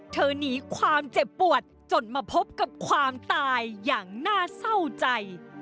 หนีความเจ็บปวดจนมาพบกับความตายอย่างน่าเศร้าใจ